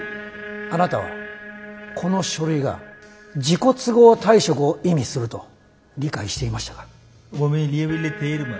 あなたはこの書類が自己都合退職を意味すると理解していましたか？